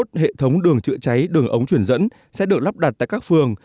theo đó chín mươi một hệ thống đường chữa cháy đường ống chuyển dẫn sẽ được lắp đặt tại các phường